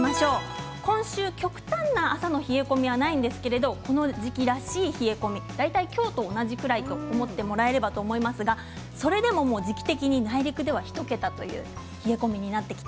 今週、極端な朝の冷え込みはないんですけれどこの時期らしい冷え込み大体、今日と同じくらいと思ってもらえればいいと思いますが内陸では１桁という冷え込みです。